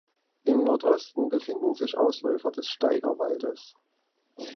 Im Nordosten befinden sich Ausläufer des Steigerwaldes.